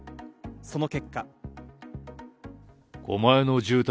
その結果。